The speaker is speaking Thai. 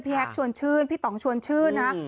แฮกชวนชื่นพี่ต่องชวนชื่นนะ